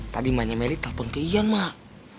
tadi emaknya merry telpon ke iyan emak